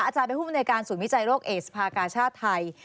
อาจารย์เป็นผู้บริการศูนย์วิจัยโรคเอสภากาชาติไทย